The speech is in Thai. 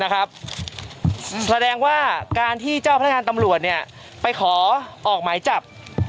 แสดงว่าการที่เจ้าพนักงานตำรวจไปขอออกหมายจับ